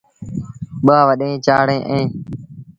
ٻآ وڏيݩ چآڙيٚن اوهيݩ۔